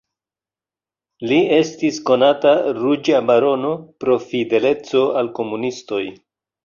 Li estis konata "Ruĝa barono" pro fideleco al komunistoj.